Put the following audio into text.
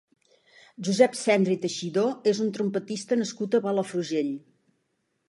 Josep Sendra i Teixidor és un trompetista nascut a Palafrugell.